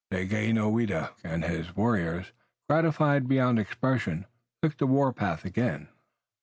Daganoweda and his warriors, gratified beyond expression, took the war path again.